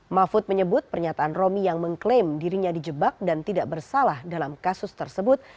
mahfud menyebut pernyataan romi yang mengklaim dirinya dijebak dan tidak bersalah dalam kasus tersebut